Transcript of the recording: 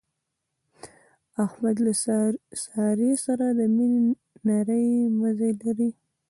احمد له سارې سره د مینې نری مزی لري.